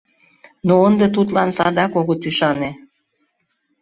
Но ынде тудлан садак огыт ӱшане!